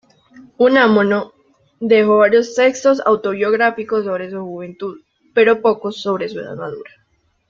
Unamuno dejó varios textos autobiográficos sobre su juventud, pero pocos sobre su edad madura.